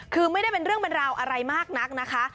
คือไม่ได้เป็นเรื่องเป็นราวอะไรมากนักนะคะ